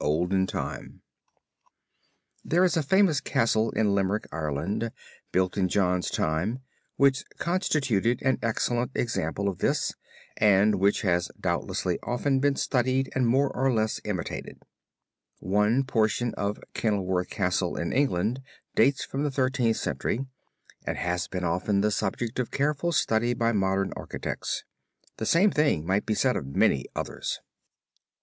{opp120} DURHAM CASTLE AND CATHEDRAL KING JOHN'S CASTLE (LIMERICK) There is a famous castle in Limerick, Ireland, built in John's time which constituted an excellent example of this and which has doubtlessly often been studied and more or less imitated. One portion of Kenilworth Castle in England dates from the Thirteenth Century and has been often the subject of careful study by modern architects. The same thing might be said of many others.